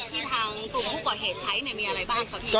ที่ทางกลุ่มผู้ก่อเหตุใช้เนี่ยมีอะไรบ้างคะพี่